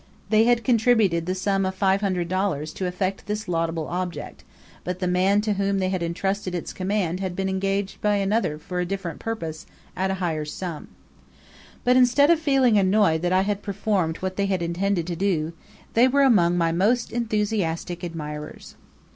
They had contributed the sum of $500 to effect this laudable object; but the man to whom they had entrusted its command had been engaged by another for a different purpose, at a higher sum. But, instead of feeling annoyed that I had performed what they had intended to do, they were among my most enthusiastic admirers.